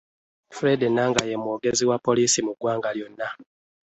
Fred enanga ye mwogezi wa poliisi mu ggwanga lyonna.